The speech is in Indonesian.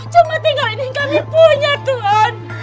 cuma tinggal ini kami punya tuhan